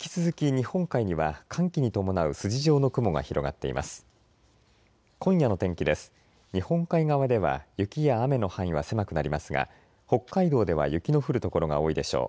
日本海側では雪や雨の範囲は狭くなりますが北海道では雪の降る所が多いでしょう。